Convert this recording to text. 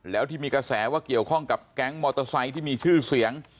แล้วที่มีกระแสว่าเกี่ยวข้องกับแก๊งมอเตอร์ไซค์ที่มีชื่อเสียง